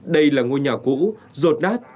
đây là ngôi nhà cũ rột nát